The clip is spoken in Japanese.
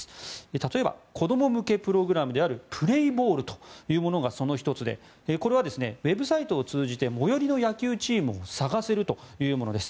例えば子ども向けプログラムであるＰＬＡＹＢＡＬＬというものがその１つでこれはウェブサイトを通じて最寄りの野球チームを探せるというものです。